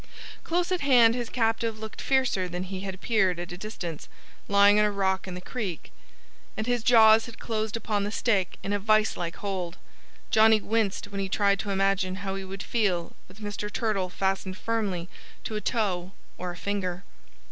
Close at hand his captive looked fiercer than he had appeared at a distance, lying on a rock in the creek. And his jaws had closed upon the stick in a vise like hold. Johnnie winced when he tried to imagine how he would feel with Mr. Turtle fastened firmly to a toe or a finger.